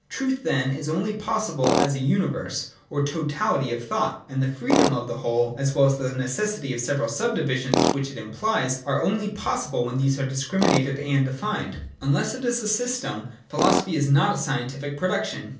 Truth, then, is only possible as a universe or totality of thought ; and the freedom of the whole, as well as the necessity of the several sub divisions, which it implies, are only possible when these are discrimi nated and defined. Unless it is a system, a philosophy is not a scientific production.